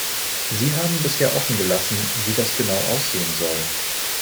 Sie haben bisher offengelassen, wie das genau aussehen soll.